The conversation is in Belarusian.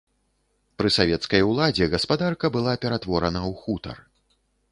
Пры савецкай уладзе гаспадарка была ператворана ў хутар.